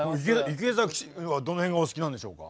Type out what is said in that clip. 池崎はどの辺がお好きなんでしょうか？